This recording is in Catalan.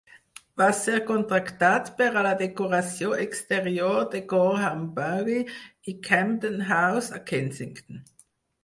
Va ser contractat per a la decoració exterior de Gorhambury i Campden House, a Kensington.